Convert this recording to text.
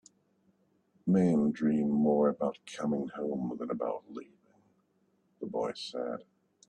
"Men dream more about coming home than about leaving," the boy said.